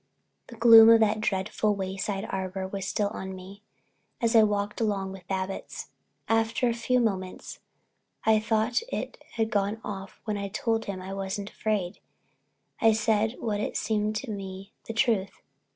The gloom of that dreadful Wayside Arbor was still on me as I walked along with Babbitts. After a few moments I thought it had gone off and when I told him I wasn't afraid I said what seemed to me the truth.